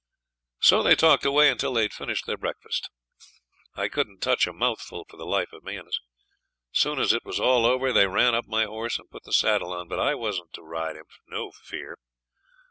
So they talked away until they had finished their breakfast. I couldn't touch a mouthful for the life of me, and as soon as it was all over they ran up my horse and put the saddle on. But I wasn't to ride him. No fear!